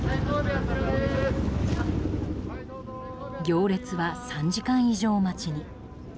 行列は３時間以上待ちに。